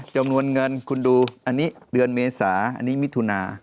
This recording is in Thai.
จำนวนเงินคุณดูอันนี้เดือนเมษาอันนี้มิถุนา